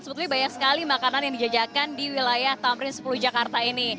sebetulnya banyak sekali makanan yang dijajakan di wilayah tamrin sepuluh jakarta ini